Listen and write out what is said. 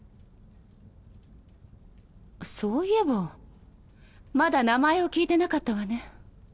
そういえばまだ名前を聞いてなかったわね。